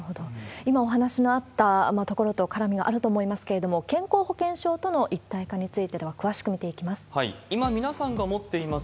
今お話しのあったところと絡みがあると思いますけれども、健康保険証との一体化について、今、皆さんが持っています